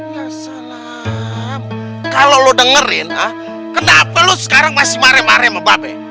ya salah kalau lo dengerin kenapa lo sekarang masih mare mare sama mbak be